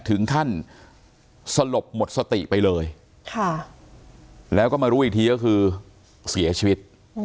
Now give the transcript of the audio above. ถึงขั้นสลบหมดสติไปเลยแล้วก็มารู้อีกทีก็คือเสียชีวิต